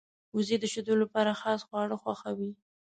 وزې د شیدو لپاره خاص خواړه خوښوي